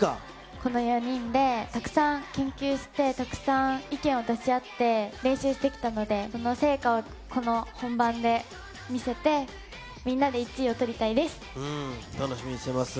この４人でたくさん研究してたくさん意見を出し合って、練習してきたので、その成果をこの本番で見せて、楽しみにしてます。